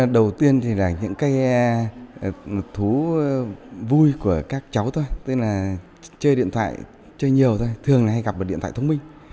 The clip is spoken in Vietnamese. đầu tiên là những cái thú vui của các cháu thôi chơi điện thoại chơi nhiều thôi thường hay gặp điện thoại thông minh